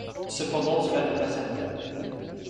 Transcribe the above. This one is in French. Cependant cela n'est pas certain.